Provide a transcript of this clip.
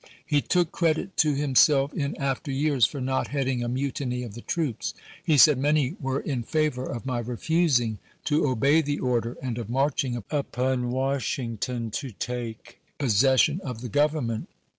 He took p eeo. credit to himself in after years for not heading a mutiny of the troops. He said, " Many were in favor of my refusing to obey the order and of marching upon Washington to take possession ibid.,p,652. of the Government."